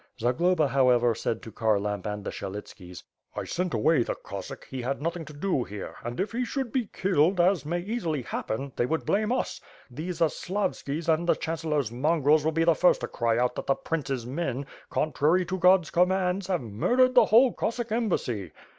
Zagloba, however, said to Kharlamp and the Syelitskis: "I sent away the Cossack, he had nothing to do here; and if he should be killed, as may easily happen, they would blame us. The Zaslavskis and the chancellor's mongrels will be the first to cry out that the prince's men, contrary to God's commands, have murdered the whole Cossack embassy.